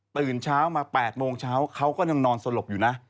ตื่นเช้ามา๘โมงเช้าเขาก็ยังนอนสลบอยู่นะ